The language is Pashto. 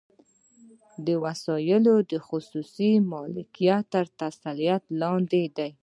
دا وسایل د خصوصي مالکیت تر تسلط لاندې دي